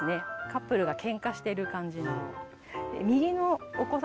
カップルが喧嘩してる感じの。